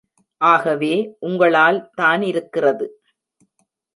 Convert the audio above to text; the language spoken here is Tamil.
ஆகவே, உங்களால் தானிருக்கிறது.